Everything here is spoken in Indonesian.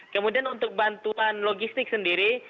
kemudian untuk bantuan logistik sendiri